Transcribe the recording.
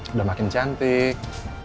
udah makin cantik